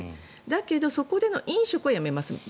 だけどそこでの飲食はやめますと。